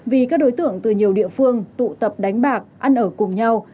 vì các đối tượng từ nhiều địa phương tụ tập đánh bạc ăn ở cùng nhau